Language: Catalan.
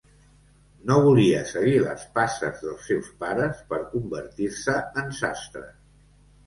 No volia seguir les passes dels seus pares per convertir-se en sastre.